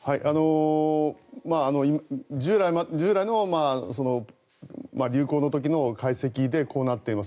従来の流行の時の解析でこうなっています。